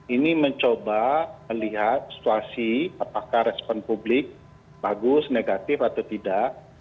ini mencoba melihat situasi apakah respon publik bagus negatif atau tidak